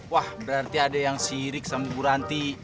wah berarti ada yang sirik sama bu ranti